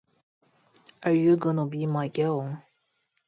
Are You Gonna Be My Girl?